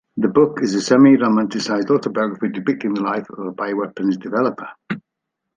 The book is a semi-romanticized auto-biography depicting the life of a bioweapons developer.